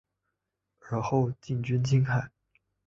尔后进军青海。